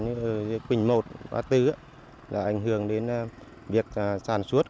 như quỳnh một a tứ là ảnh hưởng đến việc sản xuất